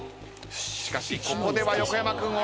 しかしここでは横山君押さない。